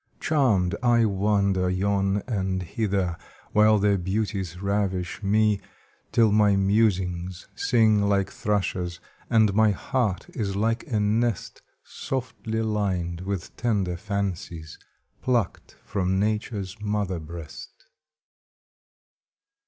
Charmed, I wander yon and hither, While their beauties ravish me, Till my musings sing like thrushes, And my heart is like a nest, Softly lined with tender fancies Plucked from Nature's mother breast.